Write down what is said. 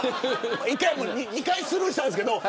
２回スルーしたんですけど。